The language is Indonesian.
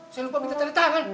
saya lupa minta tanda tangan